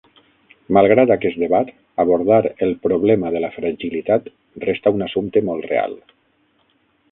Malgrat aquest debat, abordar el problema de la fragilitat resta un assumpte molt real.